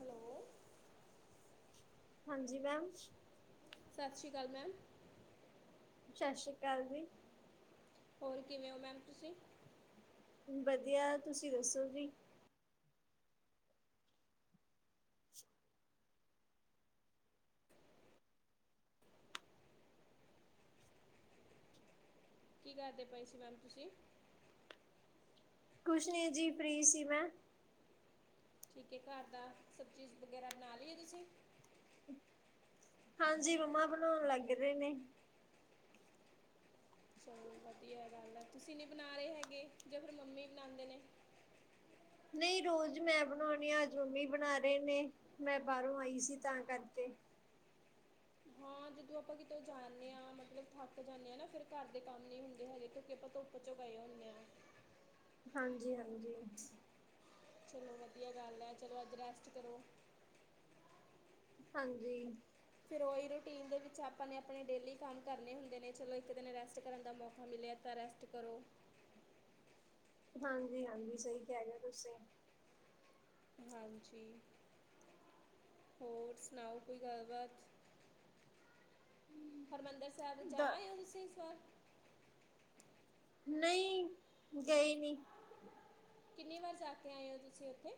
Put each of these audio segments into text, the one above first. Hello. ਹਾਂਜੀ ma'am. ਸਤਿ ਸ਼੍ਰੀ ਕਾਲ ਮੈਮ। ਸਤਿ ਸ੍ਰੀ ਕਾਲ ਜੀ। ਹੋਰ, ਕਿਵੇਂ ਔ, ਮੈਮ ਤੁਸੀਂ? ਵਧੀਆ, ਤੁਸੀਂ ਦੱਸੋ ਜੀ। ਕੀ ਕਰਦੇ ਪਏ ਸੀ, ਮੈਮ ਤੁਸੀਂ? ਕੁਛ ਨਹੀਂ ਜੀ, ਫਰੀ ਸੀ ਮੈਂ। ਠੀਕ ਐ, ਘਰ ਦਾ ਸਭ ਚੀਜ਼ ਵਗੈਰਾ, ਬਣਾ ਲਈ ਏ ਤੁਸੀਂ? ਹਾਂਜੀ, ਮੰਮਾ ਬਣਾਉਣ ਲੱਗ ਰਹੇ ਨੇ ਚਲੋ ਵਧੀਆ ਗੱਲ ਐ, ਤੁਸੀਂ ਨੀ ਬਣਾ ਰਹੇ ਹੈਗੇ, ਜਾਂ ਫਿਰ ਮੰਮੀ ਬਣਾਉਂਦੇ ਨੇ। ਨਹੀਂ ਰੋਜ਼, ਮੈਂ ਬਣਾਉਣੀ ਆ, ਅੱਜ ਮੰਮੀ ਬਣਾ ਰਹੇ ਨੇ, ਮੈਂ ਬਾਹਰੋਂ ਆਈ ਸੀ ਤਾਂ ਕਰਕੇ। ਹੋਰ। ਜਦੋਂ ਆਪਾਂ ਕਿਤੋਂ ਜਾਂਨੇ ਹਾਂ, ਮਤਲਬ ਥੱਕ ਜਾਂਨੇ ਆ, ਨਾ ਫਿਰ ਘਰ ਦੇ ਕੰਮ ਨਹੀਂ ਹੁੰਦੇ, ਹੈਗੇ ਕਿਉਂਕਿ ਆਪਾਂ ਤੋ। ਉਹ ਚੋਂ ਗਏ, ਹੁੰਨੇ ਹਾਂ। ਹਾਂਜੀ -ਹਾਂਜੀ। ਚਲੋ ਵਧੀਆ ਗੱਲ ਐ, ਚਲੋ ਅੱਜ ਰੈਸਟ ਕਰੋ। ਹਾਂਜੀ। ਫਿਰ ਉਹੀ ਰੂਟੀਨ ਦੇ ਵਿੱਚ ਆਪਾਂ ਨੇ, ਆਪਣੇ ਡੇਲੀ ਕੰਮ ਕਰਨੇ ਹੁੰਦੇ ਨੇ, ਚਲੋ ਇੱਕ ਦਿਨ ਰੈਸਟ ਕਰਨ ਦਾ ਮੌਕਾ ਮਿਲਿਆ ਤਾਂ ਰੈਸਟ। ਟ, ਕਰੋ। ਹਾਂਜੀ- ਹਾਂਜੀ, ਸਹੀ ਕਹਿ ਰਹੇ ਹੋ ਤੁਸੀਂ। ਹਾਂਜੀ, ਹੋਰ ਸੁਣਾਓ, ਕੋਈ ਗੱਲਬਾਤ ਹਰਿਮੰਦਰ ਸਾਹਿਬ ਜਾ ਦ ਆਇਓ, ਤੁਸੀ ਇਸ ਵਾਰ। ਨਈ ਗਈ ਨੀ। ਕਿੰਨੀ ਵਾਰ ਜਾ ਕੇ ਆਏ ਓ ਤੁਸੀਂ ਓਥੇ?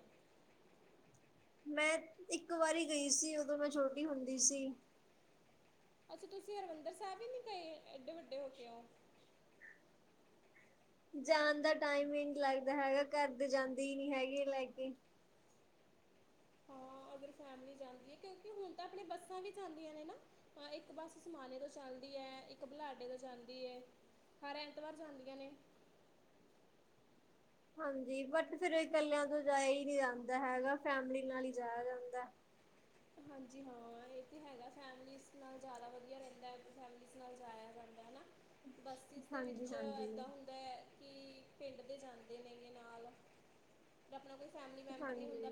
ਮੈਂ ਇੱਕ ਵਾਰੀ ਗਈ ਸੀ ਉਦੋਂ ਮੈਂ ਛੋਟੀ ਹੁੰਦੀ ਸੀ। ਅੱਛਾ, ਤੁਸੀਂ ਹਰਿਮੰਦਰ ਸਾਬ ਈ ਨੀ ਗਏ ਏਡੇ ਵੱਡੇ ਹੋਗੇ ਓ। ਜਾਣ ਦਾ ਟਾਈਮ ਈ ਨੀ ਲੱਗਦਾ ਹੈਗਾ ਘਰ ਦੇ ਜਾਂਦੇ ਈ ਨੀ ਹੈਗੇ ਲੈ ਕੇ। ਹਾਂ ਅਗਰ ਫੈਮਲੀ ਜਾਂਦੀ ਐ ਕਿਉਂਕੀ ਹੁਣ ਤਾਂ ਆਪਣੇ ਬੱਸਾਂ ਵੀ ਜਾਂਦੀਆਂ ਨੇ ਨਾ। ਹਾਂ ਇੱਕ ਬਸ ਸਮਾਨੇ ਤੋਂ ਚੱਲਦੀ ਐ, ਇੱਕ ਬੁੱਲਾਡੇ ਤੋਂ ਜਾਂਦੀ ਐ। ਹਰ ਐਤਵਾਰ ਜਾਂਦੀਆਂ ਨੇ। ਹਾਂਜੀ, ਬਟ ਫਿਰ ਇਕੱਲਿਆਂ ਤੋਂ ਜਾਇਆ ਈ ਨੀ ਜਾਂਦਾ ਹੈਗਾ ਫੈਮਲੀ ਨਾਲ ਈ ਜਾਇਆ ਜਾਂਦੈ। ਹਾਂਜੀ ਹਾਂ ਏ ਤੇ ਹੈਗਾ ਫੈਮਲੀਜ਼ ਨਾਲ ਜਾਦਾ ਵਧੀਆ ਰੈਂਦਾ ਫੈਮਲੀਨ ਨਾਲ ਜਾਇਆ ਜਾਂਦਾ ਹੈਨਾ। ਬੱਸਿਸ ਦੇ ਹਾਂਜੀ ਵਿੱਚ ਹਾਂਜੀ ਏਦਾਂ ਹੁੰਦੈ ਕੀ ਪਿੰਡ ਦੇ ਜਾਂਦੇ ਨੇ ਗੇ ਨਾਲ। ਆਪਣਾ ਕੋਈ ਫੈਮਿਲੀ ਹਾਂਜੀ।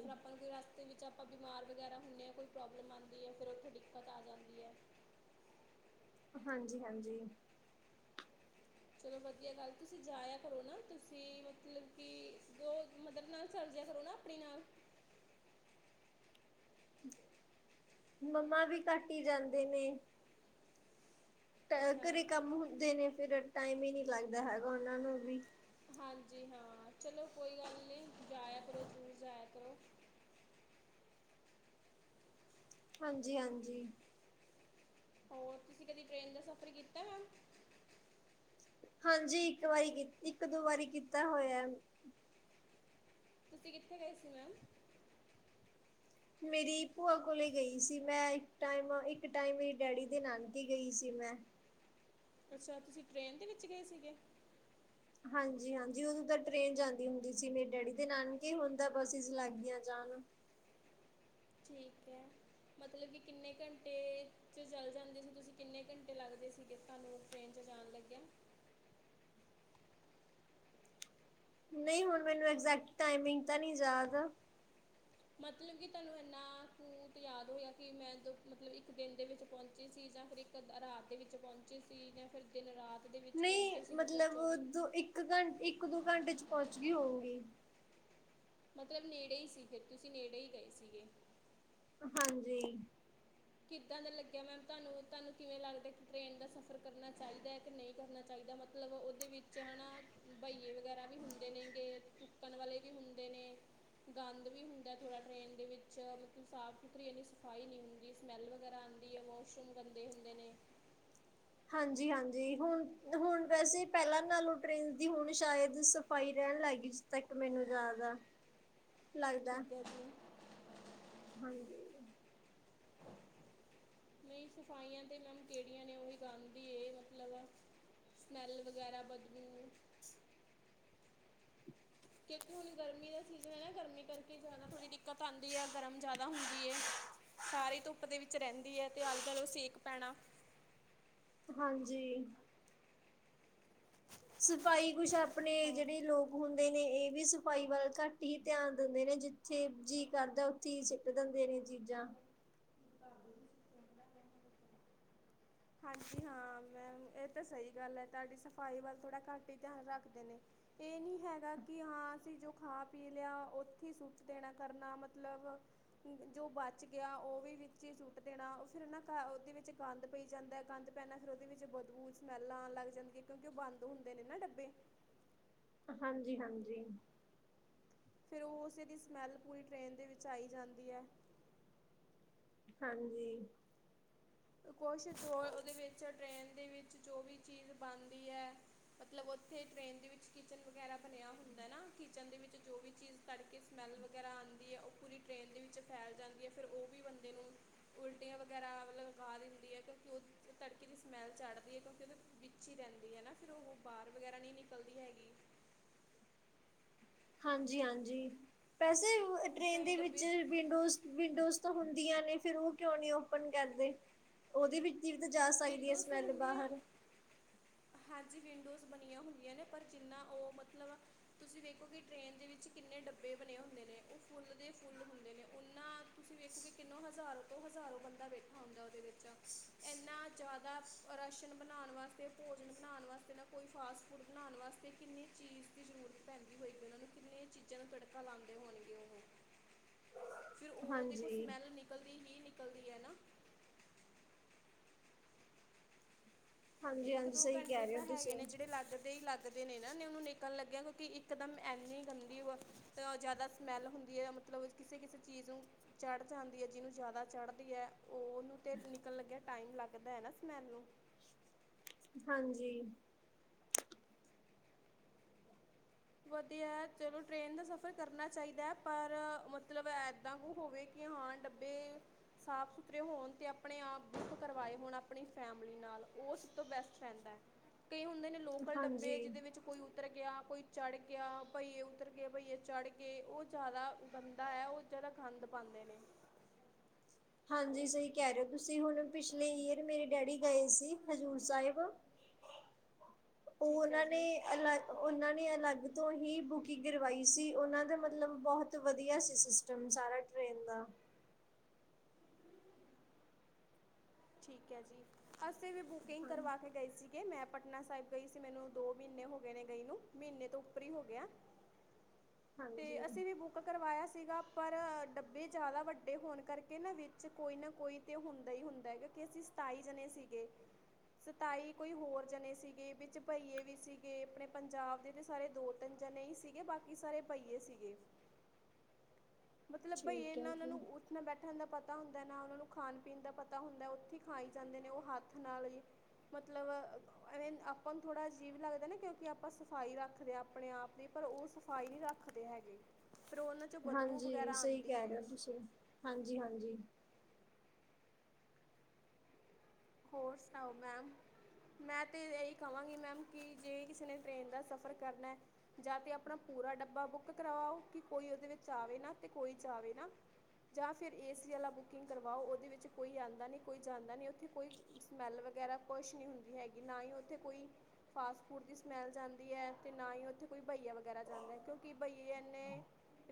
ਦੇ ਵਿੱਚ ਆਪਾਂ ਬਿਮਾਰ ਵਗੈਰਾ ਹੁੰਨੇ ਆ, ਕੋਈ ਪ੍ਰੋਬਲਮ ਆਂਦੀ ਐ ਫੇਰ ਉੱਥੇ ਡੀ ਡੀਕਤ ਆ ਜਾਂਦੀ ਐ। ਹਾਂਜੀ-ਹਾਂਜੀ। ਚਲੋ ਵਧੀਆ ਗੱਲ ਤੁਸੀਂ ਜਾਇਆ ਕਰੋ, ਨਾ ਤੁਸੀਂ ਮਤਲਬ ਕੀ ਦੋ ਮਦਰ ਨਾਲ ਚਲ ਜਿਆ ਕਰੋ ਨਾ। ਆਪਣੇ ਨਾਲ ਮੰਮਾ ਵੀ ਘੱਟ ਈ ਜਾਂਦੇ ਨੇ। ਟ ਅੱਛਾ ਘਰੇ ਕੰਮ ਹੁੰਦੇ ਨੇ ਫਿਰ ਟਾਈਮ ਈ ਨੀ ਲੱਗਦਾ ਹੈਗਾ ਓਨਾਂ ਨੂੰ ਵੀ। ਹਾਂਜੀ ਹਾਂ ਚਲੋ ਕੋਈ ਗੱਲ ਨੀ ਜਾਇਆ ਕਰੋ ਜੂਰ ਜਾਇਆ ਕਰੋ ਹਾਂਜੀ-ਹਾਂਜੀ। ਹੋਰ ਤੁਸੀਂ ਕਦੀ ਟ੍ਰੇਨ ਦਾ ਸਫ਼ਰ ਕੀਤਾ ਮੈਮ? ਹਾਂਜੀ ਇੱਕ ਵਾਰੀ ਕੀ ਇੱਕ ਦੋ ਵਾਰੀ ਕੀਤਾ ਹੋਇਆ। ਤੁਸੀਂ ਕਿੱਥੇ ਗਏ ਸੀ ਮੈਮ? ਮੇਰੀ ਭੂਆ ਕੋਲੇ ਗਈ ਸੀ ਮੈਂ ਇੱਕ ਟਾਈਮ ਇੱਕ ਟਾਈਮ ਮੇਰੀ ਡੈਡੀ ਦੇ ਨਾਨਕੇ ਗਈ ਸੀ ਮੈਂ। ਅੱਛਾ, ਤੁਸੀਂ ਟ੍ਰੇਨ ਦੇ ਵਿੱਚ ਗਏ ਸੀਗੇ? ਹਾਂਜੀ-ਹਾਂਜੀ ਉਦੋਂ ਤਾਂ ਟ੍ਰੇਨ ਜਾਂਦੀ ਹੁੰਦੀ ਸੀ, ਮੇਰੇ ਡੈਡੀ ਦੇ ਨਾਨਕੇ, ਹੁਣ ਤਾਂ ਬੱਸਿਸ ਲੱਗ ਗੀਆਂ ਜਾਣ। ਠੀਕ ਐ ਮਤਲਬ ਕੀ ਕਿੰਨੇ ਘੰਟੇ ਚ ਚਲ ਜਾਂਦੇ ਸੀ, ਤੁਸੀਂ ਕਿੰਨੇ ਘੰਟੇ ਲੱਗਦੇ ਸੀਗੇ ਤੁਹਾਨੂੰ ਟ੍ਰਰੇਨ ਚ ਜਾਣ ਲੱਗਿਆ? ਨਈ ਹੁਣ ਮੈਨੂੰ ਐਗਜੈਕਟ ਟਾਈਮਿੰਗ ਤਾਂ ਨੀ ਯਾਦ। ਮਤਲਬ ਕੀ ਤੁਹਾਨੂੰ ਇੰਨਾ ਤੂਤ ਯਾਦ ਹੋਇਆ ਕੀ ਮੈਂ ਦ ਮਤਲਬ ਇੱਕ ਦਿਨ ਦੇ ਵਿੱਚ ਪੋਂਚੀ ਸੀ ਜਾਂ ਫਿਰ ਇੱਕ ਕ ਰਾਤ ਦੇ ਵਿੱਚ ਪੋਂਚੇ ਸੀ ਜਾਂ ਫਿਰ ਦਿਨ-ਰਾਤ ਦੇ ਵਿੱਚ ਨਹੀਂ ਪੋਂਚੇ ਸੀ ਮਤਲਬ ਚੌਵੀ ਦੋ ਇੱਕ ਘੰ ਇੱਕ-ਦੋ ਘੰਟੇ ਚ ਪੋਂਚਗੀ ਹੋਊਗੀ। ਮਤਲਬ ਨੇੜੇ ਈ ਸੀ ਫਿਰ ਤੁਸੀਂ ਨੇੜੇ ਈ ਗਏ ਸੀਗੇ। ਹਾਂਜੀ। ਕਿੱਦਾਂ ਦਾ ਲੱਗਿਆ ਮੈਮ ਤੁਹਾਨੂੰ-ਤੁਹਾਨੂੰ ਕਿਵੇਂ ਲੱਗਦਾ ਕੀ ਟ੍ਰੇਨ ਦਾ ਸਫ਼ਰ ਕਰਨਾ ਚਾਈਦਾ ਕ ਨਈ? ਕਰਨਾ ਚਾਈਦਾ ਮਤਲਬ ਓਦੇ ਵਿੱਚ ਹਨਾ ਬਈਏ ਵਗੈਰਾ ਵੀ ਹੁੰਦੇ ਨੇਗੇ ਕਣ ਵਾਲੇ ਵੀ ਹੁੰਦੇ ਨੇ। ਗੰਦ ਵੀ ਹੁੰਦਾ ਥੋੜ੍ਹਾ ਟ੍ਰੇਨ ਦੇ ਵਿੱਚ, ਮਤਲਬ ਸਾਫ਼-ਸੁਥਰੀ ਇੰਨੀ ਸਫਾਈ ਨੀ ਹੁੰ ਦੀ ਸਮੈੱਲ ਵਗੈਰਾ ਆਂਦੀ ਐ, ਵੋਸ਼ਰੂਮ ਗੰਦੇ ਹੁੰਦੇ ਨੇ। ਹਾਂਜੀ-ਹਾਂਜੀ ਹੁਣ-ਹੁਣ ਵੈਸੇ ਪੈਲਾਂ ਨਾਲੋਂ ਟ੍ਰੇਨ ਦੀ ਹੁਣ ਸ਼ਾਇਦ ਸਫ਼ਾਈ ਰੈਣ ਲਾਗੀ ਤੱਕ ਮੈਨੂੰ ਯਾਦ ਆ। [inaudible] ਲੱਗਦਾ ਠੀਕ ਹੈ ਜੀ ਹਾਂਜੀ। ਨਈਂ ਸਫਾਈਆਂ ਤੇ ਮੈਮ ਕੇੜੀਆਂ ਨੇ, ਓਹੀ ਗੰਦ ਈ ਏ ਮਤਲਬ ਸਮੈੱਲ ਵਗੈਰਾ ਬਦਬੂ ਦੇਖੋ ਹੁਨ ਗਰਮੀ ਦਾ ਸੀਜ਼ਨ ਐ ਨਾ ਗਰਮੀ ਕਰਕੇ ਜ਼ਾਦਾ ਥੋੜ੍ਹੀ ਦਿੱਕ ਦਿੱਕਤ ਆਂਦੀ ਐ ਗਰਮ ਜ਼ਾਦਾ ਹੁੰਦੀ ਐ। ਸਾਰੀ ਧੁੱਪ ਦੇ ਵਿੱਚ ਰੈਂਦੀ ਐ ਤੇ ਆਲੋਂ ਦਾਲੋਂ ਸੇਕ ਪੈਨਾ। ਹਾਂਜੀ। ਸਫਾਈ ਕੁਛ ਆਪਨੇ ਹਾਂ ਜੇੜੇ ਲੋਕ ਹੁੰਦੇ ਨੇ ਏ ਵੀ ਸਫ਼ਾਈ ਵੱਲ ਘੱਟ ਹੀ ਧਿਆਨ ਦਿੰਦੇ ਨੇ ਜਿੱਥੇ ਜੀਅ ਕਰਦਾ ਓਥੀ ਹੀ ਸਿੱਟ ਦਿੰਦੇ ਨੇ ਚੀਜ਼ਾਂ। ਧਰਦੋ ਹਾਂਜੀ ਹਾਂ ਮੈਮ ਏ ਤਾਂ ਸਈ ਗੱਲ ਐ ਤਾਡੀ ਸਫ਼ਾਈ ਵੱਲ ਥੋੜਾ ਘੱਟ ਈ ਧਿਆਨ ਰੱਖਦੇ ਨੇ। ਏ ਨੀ ਹੈਗਾ ਕੀ ਹਾਂ ਅਸੀਂ ਜੋ ਖਾ ਪੀ ਲਿਆ ਓਥੀ ਸੁੱਟ ਦੇਨਾ ਕਰਨਾ ਮਤਲਬ ਜੋ ਬਚ ਗੇਆ ਓ ਵੀ ਵਿ ਵਿਚੀ ਸੁੱਟ ਦੇਨਾ ਓ ਫਿਰ ਨਾ ਓਦੇ ਵਿੱਚ ਗੰਦ ਪਈ ਜਾਂਦਾ ਗੰਦ ਪੈਨਾ ਫਿਰ ਓਦੇ ਵਿੱਚ ਬਦਬੂ ਜ- ਸਮੈਲ ਆਨ ਲੱਗ ਜਾਂਦੀ ਆਂ ਕਿਓਂਕਿ ਓ ਬੰਦ ਹੁੰਦੇ ਨੇ ਨਾ ਡੱਬੇ। ਹਾਂਜੀ-ਹਾਂਜੀ। ਫੇਰ ਓਸੇ ਦੀ ਸਮੈੱਲ ਪੂਰੀ ਟਰੇੇਨ ਦੇ ਵਿੱਚ ਆਈ ਜਾਂਦੀ ਐ। ਹਾਂਜੀ। ਕੁਛ ਹੋਰ ਓਦੇ ਵਿੱਚ ਟ੍ਰਰੇਨ ਦੇ ਵਿੱਚ ਜੋ ਵੀ ਚੀਜ਼ ਬਨਦੀ ਐ ਮਤਲਬ ਓਥੇ ਟ੍ਰੇਨ ਦੇ ਵਿੱਚ ਕਿਚਨ ਵਗੈਰਾ ਬਨੇਆ ਹੁੰਦਾ ਨਾ ਕਿਚਨ ਦੇ ਵਿੱਚ ਜੋ ਵੀ ਚੀਜ਼ ਤੜਕੇ ਸਮੈੱਲ ਵਗੈਰਾ ਆਂਦੀ ਐ ਓ ਪੂਰੀ ਟ੍ਰਰੇਨ ਦੇ ਵਿੱਚ ਫੈਲ ਜਾਂਦੀ ਐ ਫੇਰ ਓ ਵੀ ਬੰਦੇ ਨੂੰ ਉਲਟੀਆਂ ਵਗੈਰਾ ਮਤਲਬ ਲਗਾ ਦਿੰਦੀ ਏ ਕਿਓਂਕਿ ਓ ਤੜਕੇ ਦੀ ਸਮੈੱਲ ਚੜਦੀ ਐ ਕਿਓਂਕਿ ਓਦੇ ਵਿੱਚ ਈ ਰੈਂਦੀ ਐ ਨਾ ਫਿਰ ਓ ਬਾਰ ਵਗੈਰਾ ਨੀ ਨਿਕਲਦੀ ਹੈਗੀ। ਹਾਂਜੀ-ਹਾਂਜੀ, ਵੈਸੇ ਟਰੇਨ ਕਈ ਦੇ ਵਿੱਚ ਡੱਬੇ ਵਿੰਡੋਜ਼-ਵਿੰਡੋਜ਼ ਤਾਂ ਹੁੰਦੀਆਂ ਨੇ ਫੇਰ ਓ ਕਿਓਂ ਨੀ ਓਪਨ ਕਰਦੇ, ਓਦੇ ਵਿੱਚ ਤੀਰਥ ਜਾਸ ਵਿੰਡੋਸ ਹੁੰਦੀਆਂ ਹਾਂਜੀ ਵਿੰਡੋਜ਼ ਬਨੀਆਂ ਹੁੰਦੀਆਂ ਨੇ ਪਰ ਜਿੰਨਾ ਓ ਮਤਲਬ ਤੁਸੀਂ ਵੇਖੋ ਕਿ ਟ੍ਰੇਨ ਦੇ ਵਿੱਚ ਕਿੰਨੇ ਡੱਬੇ ਬਨੇ ਹੁੰਦੇ ਨੇ ਓ ਫੁੱਲ ਦੇ ਫੁੱਲ ਹੁੰਦੇ ਨੇ ਓਨਾਂ ਤੁਸੀਂ ਵੇਖੋਗੇ ਕਿੰਨੋ ਹਜ਼ਾਰੋ ਤੋਂ ਹਜ਼ਾਰੋ ਬੰਦਾ ਬੈਠਾ ਹੁੰਦਾ ਓਦੇ ਵਿੱਚ, ਐਨਾ ਜ਼ਾਦਾ ਰਾਸ਼ਨ ਬਨਾਨ ਵਾਸਤੇ ਭੋਜਨ ਬਨਾਨ ਵਾਸਤੇ ਨਾ ਕੋਈ ਫਾਸਟ ਫੂਡ ਬਨਾਨ ਵਾਸਤੇ ਕਿੰਨੀ ਚੀਜ਼ ਜ਼ਰੂਰਤ ਪੈਂਦੀ ਹੋਏਗੀ ਓਨਾਂ ਨੂੰ ਕਿੰਨੇ ਚੀਜ਼ਾਂ ਨੂੰ ਤੜਕਾ ਲਾਂਦੇ ਹੋਨਗੇ ਓਹੋ। ਫਿਰ ਓ ਦੇਖੋ ਹਾਂਜੀ। ਸਮੈਲ ਨਿਕਲਦੀ ਹੀ ਨਿਕ ਇੱਕ ਹਾਂਜੀ-ਹਾਂਜੀ ਦੋ ਸਹੀ ਘੰਟੇ ਕਹਿ ਰਹੇ ਤਾਂ ਹੋ ਹੈਗੇ ਤੁਸੀਂ, ਨੇ ਜੇੜੇ ਲੱਗਦੇ ਈ ਲੱਗ ਦੇ ਨੇ ਨਾ ਓਨੂੰ ਨਿਕਲਨ ਲੱਗੇਆਂ ਕਿਓਂਕਿ ਇੱਕਦਮ ਐਨੀ ਗੰਦੀ ਵਾ ਤ ਜ਼ਾਦਾ ਸਮੈਲ ਹੁੰਦੀ ਐ ਮਤਲਬ ਕਿਸੇ-ਕਿਸੇ ਚੀਜ਼ ਨੂੰ ਚੜ ਜਾਂਦੀ ਏ ਜਿਨੂੰ ਜ਼ਾਦਾ ਚੜਦੀ ਐ ਓਨੂੰ ਤੇ ਨਿਕਲਨ ਲੱਗੇਆਂ ਟਾਈਮ ਲੱਗਦਾ ਐ ਨਾ ਸਮੈਲ ਨੂੰ। ਹਾਂਜੀ। ਵਦੀਐ ਚਲੋ ਟ੍ਰੇਨ ਦਾ ਸਫ਼ਰ ਕਰਨਾ ਚਾਈਦਾ ਪਰ ਮਤਲਬ ਐਦਾਂ ਕੁ ਹੋਵੇ ਕੇ ਹਾਂ ਡੱਬੇ ਸਾਫ ਸੁਥਰੇ ਹੋਨ ਤੇ ਆਪਨੇ ਆਪ ਬੁੱਕ ਕਰਵਾਏ ਹੋਨ ਆਪਨੀ ਫੈਮਲੀ ਨਾਲ ਓ ਸਭ ਤੋਂ ਬੈਸਟ ਰੈਂਦੈ। ਕਈ ਹੁੰਦੇ ਨੇ ਲੋਕਲ ਡੱਬੇ ਹਾਂਜੀ ਜਿਦੇ ਵਿੱਚ ਕੋਈ ਉਤਰ ਗੇਆ ਕੋਈ ਚੜ ਗੇਆ ਭਈਏ ਉਤਰ ਗੇ ਭਈਏ ਚੜਗੇ ਓ ਜ਼ਾਦਾ ਗੰਦਾ ਐ ਓ ਜ਼ਾਦਾ ਗੰਦ ਪਾਂਦੇ ਨੇ। ਹਾਂਜੀ ਸਈ ਕੈ ਰਏ ਓਂ ਤੁਸੀਂ ਹੁਨ ਪਿਛਲੇ ਈਅਰ ਮੇਰੇ ਡੈਡੀ ਗਏ ਸੀ ਹਜ਼ੂਰ ਸਾਇਬ [unintelligible] ਓ ਹੈ ਓਨਾਂ ਨੇ ਜੀ ਅਲੱ ਓਨਾਂ ਨੇ ਅਲੱਗ ਤੋਂ ਹੀ ਬੁਕਿੰਗ ਕਰਵਾਈ ਸੀ ਓਨਾਂ ਦਾ ਮਤਲਬ ਬਬੋਹਤ ਵਧੀਆ ਸੀ ਸਿਸਟਮ ਸਾਰਾ। ਟ੍ਰੇਨ ਦਾ। ਠੀਕ ਐ ਜੀ। ਅਸੀਂ ਵੀ ਬੁਕਿੰਗ ਹਾਂ ਕਰਵਾ ਕੇ ਗਏ ਸੀਗੇ ਮੈਂ ਪਟਨਾ ਸਾਹਿਬ ਗਈ ਸੀ ਮੈਨੂੰ ਦੋ ਮਹੀਨੇ ਹੋ ਗਏ ਨੇ ਗਈ ਨੂੰ। ਮੀਨੇ ਤੋਂ ਉੱਪਰ ਈ ਹੋ ਗਿਆ। ਤੇ ਹਾਂਜੀ ਅਸੀਂ ਵੀ ਬੁ ਕ ਕਰਵਾਇਆ ਸੀਗਾ ਪਰ ਡੱਬੇ ਜਾਦਾ ਵੱਡੇ ਹੋਣ ਕਰਕੇ ਨਾ ਵਿੱਚ ਕੋਈ ਨਾ ਕੋਈ ਤੇ ਹੁੰਦਾ ਹੀ ਹੁੰਦਾ ਕਿਉਂਕਿ ਅਸੀਂ ਸਤਾਈ ਜਨੇ ਸੀਗੇ। ਸਤਾਈ ਕੋਈ ਹੋਰ ਜਨੇ ਸੀਗੇ ਵਿੱਚ ਭਈਏ ਵੀ ਸੀਗੇ ਅਪਨੇ ਪੰਜਾਬ ਦੇ ਤੇ ਸਾਰੇ ਦੋ ਤਿੰਨ ਜਨੇ ਈ ਸੀਗੇ ਬਾਕੀ ਸਾਰੇ ਭਈਏ ਸੀਗੇ। ਮਤਲਬ ਭਈਏ ਠੀਕ ਹੈ ਇਨਾਂ ਓਨਾਂ ਜੀ। ਨੂੰ ਉ ਨਾ ਬੈਠਨ ਦਾ ਪਤਾ ਹੁੰਦਾ ਨਾ ਓਨਾਂ ਨੂੰ ਖਾਨ-ਪੀਨ ਦਾ ਪਤਾ ਹੁੰਦਾ ਓਥੇ ਖਾਈ ਜਾਂਦੇ ਨੇ ਓ ਹੱਥ ਨਾਲ ਈ ਮਤਲਬ ਐਵੇਂ ਆਪਾਂ ਨੂੰ ਥੋੜਾ ਅਜੀਬ ਲੱਗਦਾ ਨਾ ਕਿਉਂਕਿ ਆਪਾਂ ਸਫ਼ਾਈ ਰੱਖਦੇ ਆਂ ਆਪਣੇ ਆਪ ਦੀ ਪਰ ਓ ਸਫ਼ਾਈ ਨੀ ਰੱਖ ਦੇ ਹੈਗੇ ਫੇਰ [unintelligible] ਹਾਂਜੀ ਸਈ ਕੈ ਰੇ ਓ ਤੁਸੀਂ ਹਾਂਜੀ-ਹਾਂਜੀ। ਹੋਰ ਸੁਨਾਓ ਮੈਮ। ਮੈਂ ਤੇ ਐਈ ਕਵਾਂਗੀ ਮੈਮ ਕਿ ਜੇ ਕਿਸੇ ਨੇ ਟ੍ਰੇਨ ਦਾ ਸਫ਼ਰ ਕਰਨੈ ਜਾ ਤੇ ਅਪਨਾ ਪੂਰਾ ਡੱਬਾ ਬੁੱਕ ਕਰਵਾਓ ਕਿ ਕੋਈ ਓਦੇ ਵਿੱਚ ਆਵੇ ਨਾ ਤੇ ਕੋਈ ਜਾਵੇ ਨਾ। ਜਾ ਫਿਰ ਏ ਸੀ ਵਾਲਾ ਬੁਕਿੰਗ ਕਰਵਾਓ ਓਦੇ ਵਿੱਚ ਕੋਈ ਆਂਦਾ ਨੀ, ਕੋਈ ਜਾਂਦਾ ਨੀ ਓਥੇ ਕੋਈ ਸਮੈੱਲ ਵਗੈਰਾ ਕੁਛ ਨੀ ਹੁੰਦੀ ਹੈਗੀ ਨਾ ਈ ਓਥੇ ਕੋਈ ਫਾਸਟ ਫੂਡ ਦੀ ਸਮੈਲ ਜਾਂਦੀ ਐ ਤੇ ਨਾ ਈ ਓਥੇ ਕੋਈ ਭਇਆ ਵਗੈਰਾ ਜਾਂਦਾ ਕਿਉਂਕਿ ਭਈਏ ਏਨੇ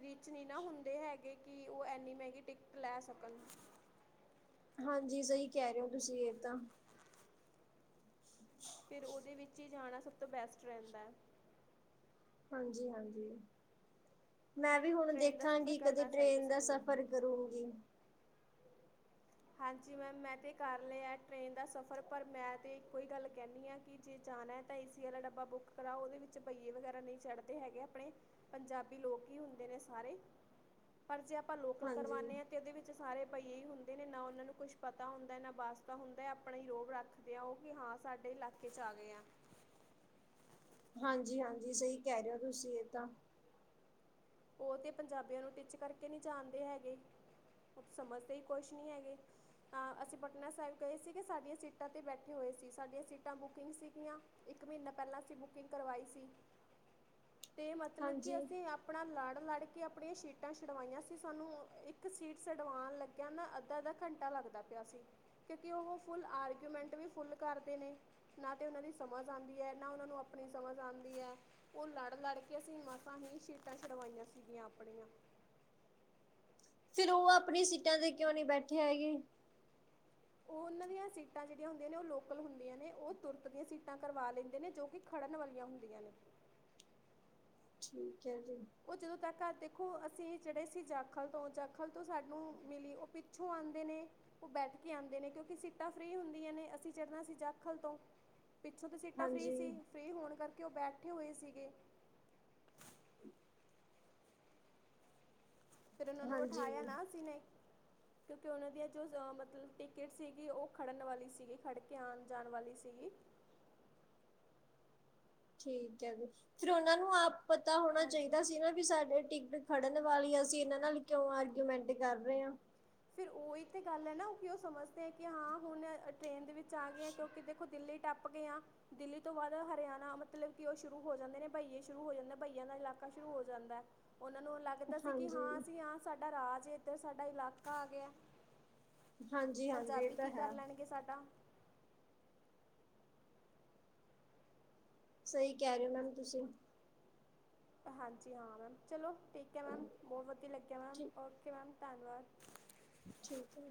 ਰਿਚ ਨੀ ਨਾ ਹੁੰਦੇ ਹੈਗੇ ਕਿ ਓ ਐਨੀ ਮੈਂਗੀ ਟਿਕਟ ਲੈ ਸਕਨ। ਹਾਂਜੀ ਸਈ ਕੈ ਰੇ ਓ ਤੁਸੀਂ ਏ ਤਾਂ। ਫਿਰ ਉਦੇ ਵਿੱਚ ਈ ਜਾਣਾ ਸਭ ਤੋਂ ਬੈਸਟ ਰੈਂਦੈ। ਹਾਂਜੀ-ਹਾਂਜੀ, ਮੈਂ ਵੀ ਹੁਣ ਟ੍ਰੇਨ ਦਾ ਸਫ਼ਰ ਦੇਖਾਂਗੀ ਕਦੇ ਕਰਨਾ ਚਾਹੀਦਾ ਟ੍ਰੇਨ ਦਾ ਸਭ ਨੂੰ ਸਫ਼ਰ ਕਰੂੰਗੀ। ਹਾਂਜੀ ਮੈਮ ਮੈਂ ਤੇ ਕਰ ਲੇਆ ਟ੍ਰੇਨ ਦਾ ਸਫ਼ਰ ਪਰ ਮੈਂ ਤੇ ਇੱਕੋ ਈ ਗੱਲ ਕੈਨੀ ਆਂ ਕਿ ਜੇ ਜਾਨਾ ਐ ਤਾਂ ਏਸੀ ਆਲਾ ਡੱਬਾ ਬੁੱਕ ਕਰਾਓ ਓਦੇ ਵਿੱਚ ਭਈਏ ਵਗੈਰਾ ਨਈ ਚੜ੍ਹਦੇ ਹੈਗੇ ਆਪਣੇ। ਪੰਜਾਬੀ ਲੋਕ ਈ ਹੁੰਦੇ ਨੇ ਸਾਰੇ। ਪਰ ਜੇ ਆਪਾਂ ਲੋਕਲ ਹਾਂਜੀ ਕਰਵਾਨੇ ਆਂ ਤੇ ਓਦੇ ਵਿੱਚ ਸਾਰੇ ਭਈਏ ਈ ਹੁੰਦੇ। ਨੇ ਨਾ ਓਨਾਂ ਨੂੰ ਕੁਛ ਪਤਾ ਹੁੰਦਾ ਨਾ ਵਾਸਤਾ ਹੁੰਦਾ ਆਪਣਾ ਈ ਰੋਗ ਰੱਖਦੇ ਆ ਓ ਕਿ ਹਾਂ ਸਾਡੇ ਇਲਾ ਕੇ 'ਚ ਆ ਗਏ ਆਂ। ਹਾਂਜੀ-ਹਾਂਜੀ ਸਈ ਕੈ ਰੇ ਓ ਤੁਸੀਂ ਏ ਤਾਂ। ਓ ਤੇ ਪੰਜਾਬੀਆਂ ਨੂੰ ਟਿੱਚ ਕਰਕੇ ਨੀ ਜਾਣਦੇ ਹੈਗੇ ਸਮਝਦੇ ਈ ਕੁਛ ਨੀ ਹੈਗੇ। ਆਂ ਅਸੀਂ ਪਟਨਾ ਸਾਹਿਬ ਗਏ ਸੀਗੇ ਸਾਡੀਆਂ ਸੀਟਾਂ 'ਤੇ ਬੈਠੇ ਹੋਏ ਸੀ ਸਾਡੀਆਂ ਸੀਟਾਂ ਬੁਕਿੰਗ ਸੀਗੀਆਂ। ਇੱਕ ਮਿੰਨਾ ਪੈਲਾਂ ਅਸੀਂ ਬੁਕਿੰਗ ਕਰਵਾਈ ਸੀ ਤੇ ਮਤਲਬ ਕਿ ਹਾਂਜੀ ਅਸੀਂ ਆਪ ਪਣਾ ਲੜ-ਲੜ ਕੇ ਆਪਣੀਆਂ ਸੀਟਾਂ ਛੁਡਵਾਈਆਂ ਸੀ ਸਾਨੂੰ ਇੱਕ ਸੀਟ ਛਡਵਾਉਣ ਲੱ ਗਯਾ ਨਾਂ ਅੱਧਾ-ਅੱਧਾ ਘੰਟਾ ਲੱਗਦਾ ਪਿਆ ਸੀ। ਕਿਉਂਕਿ ਓ ਫੁੱਲ ਆਰਗਿਊਮੈਂਟ ਵੀ ਫੁੱਲ ਕਰਦੇ ਨੇ। ਨਾ ਤੇ ਓਨਾਂ ਦੀ ਸਮਝ ਆਂਦੀ ਐ ਨਾ ਓਨਾਂ ਨੂੰ ਅਪਣੀ ਸਮਝ ਆਂਦੀ ਐ। ਓ ਲੜ-ਲੜ ਕੇ ਅਸੀਂ ਮਾਸਾਂ ਹੀ ਸ਼ੀਟਾਂ ਛੁਡਵਾਈਆਂ ਸੀਗੀਆਂ ਆਪਣੀਆਂ। ਫਿਰ ਓ ਆਪਣੀ ਸੀਟਾਂ ਤੇ ਕਿਉਂ ਨੀ ਬੈਠੇ ਹੈਗੇ? ਓ ਓਨਾਂ ਦੀਆਂ ਸੀਟਾਂ ਜੇੜੀਆਂ ਹੁੰਦੀਆਂ ਨੇ ਓ ਲੋਕਲ ਹੁੰਦੀਆਂ ਨੇ ਓ ਤੁਰਤ ਦੀਆਂ ਸੀਟਾਂ ਕਰਵਾ ਲੈਂਦੇ ਨੇ ਜੋ ਕਿ ਖੜਨ ਵਾਲੀਆਂ ਹੁੰਦੀਆਂ ਨੇ। ਠੀਕ ਹੈ ਜੀ ਉਹ ਜਦੋਂ ਤੱਕ-ਤੱਕ ਦੇਖੋ, ਅਸੀਂ ਜਿਹੜੇ ਸੀ ਜਾਖਲ ਤੋਂ, ਜਾਖਲ ਤੋਂ ਸਾਨੂੰ ਮਿਲੀ, ਉਹ ਪਿੱਛੋਂ ਆਦੇ ਨੇ ਉਹ ਬੈਠ ਕੇ, ਆਦੇ ਨੇ ਕਿਉਂਕਿ, ਸੀਟਾਂ ਫ੍ਰਰੀ ਹੁੰਦੀਆਂ ਨੇ, ਅਸੀਂ ਚੜ੍ਹਨਾ ਸੀ ਜਾਖਲ ਤੋਂ ਪਿੱਛੋਂ ਤਾਂ ਸੀਟਾਂ ਫਰੀ ਹਾਂਜੀ ਸੀ। ਫਰੀ ਹੋਣ ਕਰਕੇ, ਉਹ ਬੈਠੇ ਹੋਏ ਸੀਗੇ ਫਿਰ ਉਹਨਾਂ ਨੂੰ, ਹਾਂਜੀ ਉਠਾਇਆ ਨਾ ਸੀ ਨੇ ਕਿਉਂਕਿ, ਉਹਨਾਂ ਦੀਆਂ ਜੋ ਮਤਲਬ ਟਿਕਟ ਸੀਗੀ, ਉਹ ਖੜ੍ਹਨ ਵਾਲੀ ਸੀਗੀ, ਖੜ੍ਹ ਕੇ ਆਉਣ -ਜਾਣ ਵਾਲੀ ਸੀਗੀ ਠੀਕ ਹੈ ਜੀ, ਫਿਰ ਉਹਨਾ ਨੂੰ ਆਪ ਪਤਾ ਹੋਣਾ ਹਾਂਜੀ ਚਾਹੀਦਾ ਸੀ। ਨਾ ਵੀ ਸਾਡੇ ਟਿਕਟ ਖੜਨ ਵਾਲੀ ਅਸੀਂ ਇਹਨਾਂ ਨਾਲ ਕਿਉਂ, ਆਰਗੂਮੈਂਟ ਕਰ ਰਹੇ ਹਾਂ ਫਿਰ ਉਹੀ ਤੇ ਗੱਲ ਹੈ ਨਾ ਕਿ, ਉਹ ਸਮਝਦੇ ਆ ਕਿ ਹਾਂ ਹੁਣ ਟ੍ਰੇਨ ਦੇ ਵਿੱਚ, ਆ ਗਏ ਆ ਕਿਉਂਕਿ, ਦੇਖੋ ਦਿੱਲੀ ਟੱਪ, ਗਏ ਆ ਦਿੱਲੀ, ਤੋਂ ਬਾਅਦ ਹਰਿਆਣਾ, ਮਤਲਬ ਕਿ ਉਹ ਸ਼ੁਰੂ ਹੋ ਜਾਂਦੇ ਨੇ, ਬਹੀਏ ਸ਼ੁਰੂ ਹੋ ਜਾਂਦੇ ਬਹੀਆਂ ਦਾ, ਇਲਾਕਾ ਸ਼ੁਰੂ ਹੋ ਜਾਂਦਾ ਉਹਨਾਂ ਨੂੰ ਲੱਗਦਾ ਸੀ ਕਿ, ਹਾਂਜੀ ਹਾਂ ਅਸੀਂ ਹਾਂ ਸਾਡਾ ਰਾਜ ਇਥੇ, ਸਾਡਾ ਇਲਾਕਾ ਆ ਗਿਆ ਹਾਂਜੀ ਹਾਂਜੀ ਪੰਜਾਬੀ, ਇਹ ਤਾਂ ਕੀ ਕਰ ਹੈ ਲੈਣਗੇ ਸਾਡਾ ਸਹੀ ਕਹਿ ਰਹੇ ਮੈਮ ਤੁਸੀਂ ਹਾਂਜੀ ਹਾਂ, ਮੈਮ ਚਲੋ ਠੀਕ ਹੈ ਮੈਮ, ਬਹੁਤ ਵਧੀਆ ਲੱਗਿਆ ਮੈਮ, ਠੀਕ ਓਕੇ ਮੈਮ ਧੰਨਵਾਦ ਠੀਕ